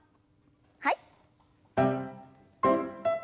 はい。